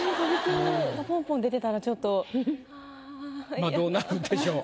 まあどうなるんでしょう？